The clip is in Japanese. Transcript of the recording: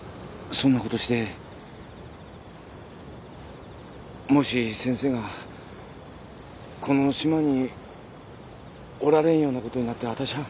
そんなことしてもし先生がこの島におられんようなことになったらわたしは。